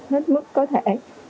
hết mức có thể